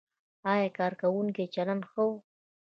ایا کارکوونکو چلند ښه و؟